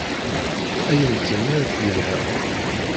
Ayen-d-tenniḍ yelha.